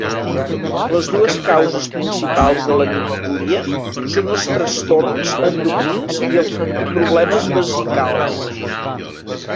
Les dues causes principals de la nictúria són els trastorns endocrins i problemes vesicals.